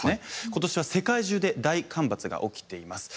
今年は世界中で大干ばつが起きています。